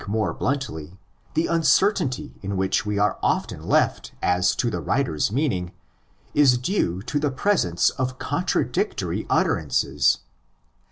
121 bluntly, the uncertainty in which we are often left as to the writer's meaning is due to the presence of con tradictory utterances.